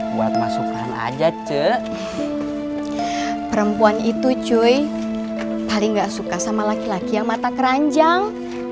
buat masukan aja cek perempuan itu cuy paling gak suka sama laki laki yang mata keranjang